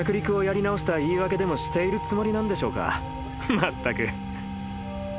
まったく。